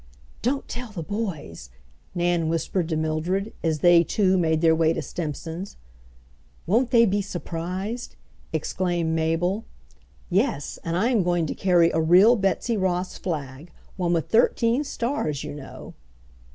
"Don't tell the boys," Nan whispered to Mildred, as they too made their way to Stimpson's. "Won't they be surprised?" exclaimed Mabel. "Yes, and I am going to carry a real Betsy Ross flag, one with thirteen stars, you know."